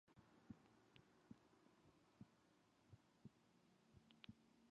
Some progressive people are trying to reform and better our marriage laws.